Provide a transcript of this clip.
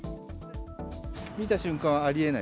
見た瞬間、ありえない。